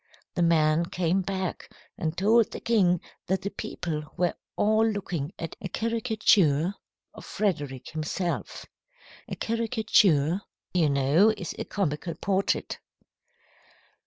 The man came back and told the king that the people were all looking at a caricature of Frederick himself. A caricature, you know, is a comical portrait.